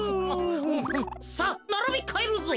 さあならびかえるぞ。